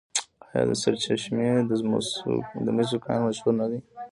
آیا د سرچشمې د مسو کان مشهور نه دی؟